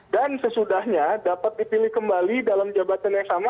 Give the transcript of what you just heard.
sesudahnya dapat dipilih kembali dalam jabatan yang sama